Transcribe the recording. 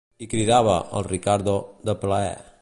I cridava, el Riccardo, de plaer.